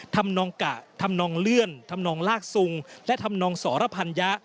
นองกะทำนองเลื่อนทำนองลากซุงและทำนองสรพัญญะ